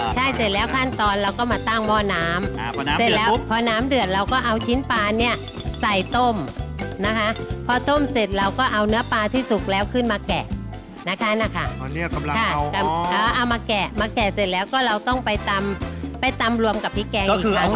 ใช่เสร็จแล้วขั้นตอนเราก็มาตั้งหม้อน้ำเสร็จแล้วพอน้ำเดือดเราก็เอาชิ้นปลาเนี่ยใส่ต้มนะคะพอต้มเสร็จเราก็เอาเนื้อปลาที่สุกแล้วขึ้นมาแกะนะคะเอามาแกะมาแกะเสร็จแล้วก็เราต้องไปตำไปตำรวมกับพริกแกงอีกครั้ง